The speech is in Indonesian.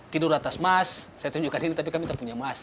tidur atas mas saya tunjukkan ini tapi kami tak punya mas